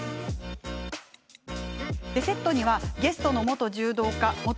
セットには、ゲストの元柔道家元